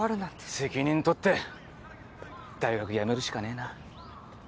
責任とって大学辞めるしかねえな。